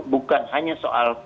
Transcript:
bukan hanya soal